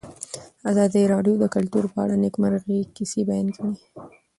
ازادي راډیو د کلتور په اړه د نېکمرغۍ کیسې بیان کړې.